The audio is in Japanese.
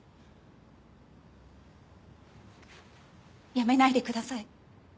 辞めないでください。